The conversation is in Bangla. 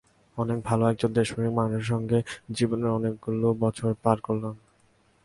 অনেক ভালো একজন দেশপ্রেমিক মানুষের সঙ্গে জীবনের অনেকগুলো বছর পার করলাম।